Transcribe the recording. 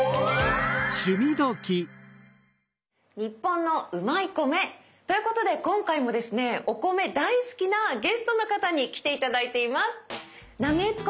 「ニッポンのうまい米」ということで今回もですねお米大好きなゲストの方に来て頂いています。